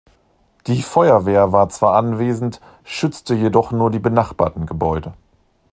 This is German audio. Die Feuerwehr war zwar anwesend, schützte jedoch nur die benachbarten Gebäude.